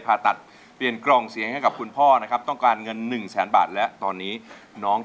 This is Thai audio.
เพลงที่หกมูลค่าหนึ่งแสนบาทแก้มร้อง